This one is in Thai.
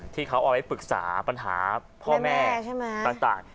ที่เขาเอาไว้ปรึกษาปัญหาพ่อแม่ต่าง